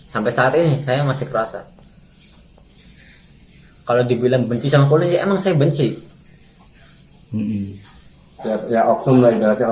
sampai saat ini saya masih kerasa kalau dibilang benci sama polisi emang saya benci